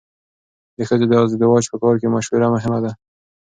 د ښځو د ازدواج په کار کې مشوره مهمه ده.